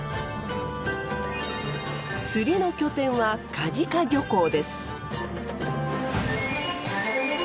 釣りの拠点は梶賀漁港です。